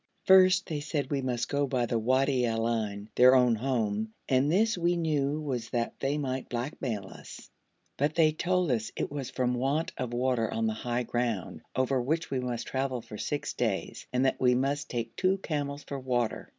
First they said we must go by the Wadi al Ain, their own home, and this we knew was that they might blackmail us; but they told us it was from want of water on the high ground, over which we must travel for six days, and that we must take two camels for water.